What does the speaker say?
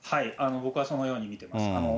僕はそのように見てます。